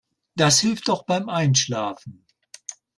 Das hilft auch beim Einschlafen.